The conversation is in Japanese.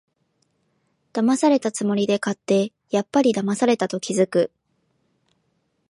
だまされたつもりで買って、やっぱりだまされたと気づく